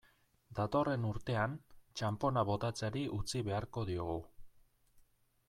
Datorren urtean, txanpona botatzeari utzi beharko diogu.